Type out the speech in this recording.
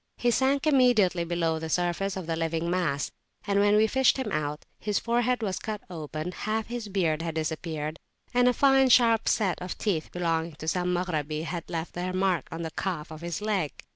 He sank immediately below the surface of the living mass: and when we fished him out, his forehead was cut open, half his beard had disappeared, and a fine sharp set [p.192] of teeth belonging to some Maghrabi had left their mark in the calf of his leg.